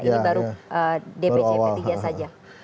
ini baru dpc p tiga saja